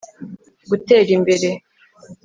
gutera imbere